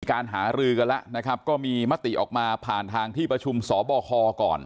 การหารือกันแล้วนะครับก็มีมติออกมาผ่านทางที่ประชุมสบคก่อน